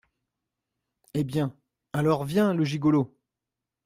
Eh bien, alors, viens, le gigolo !